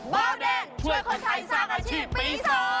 เบาแดงช่วยคนไทยสร้างอาชีพปี๒